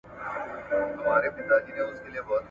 ولي امان الله خان زده کړي اجباري کړې؟